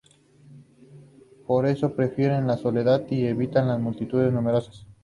Por eso prefieren la soledad y evitan las multitudes numerosas.